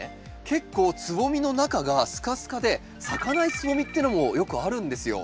結構つぼみの中がスカスカで咲かないつぼみっていうのもよくあるんですよ。